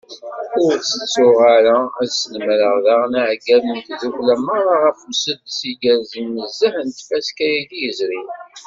Ur tettuɣ ara ad snemreɣ daɣen iɛeggalen n tddukkla meṛṛa ɣef usuddes igerrzen nezzeh n tfaska-agi yezrin.